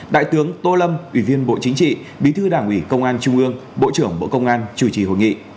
đại tướng tô lâm ủy viên bộ chính trị bí thư đảng ủy công an trung ương bộ trưởng bộ công an chủ trì hội nghị